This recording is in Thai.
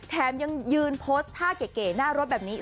แถมยังยืนโพสต์ท่าเก๋หน้ารถแบบนี้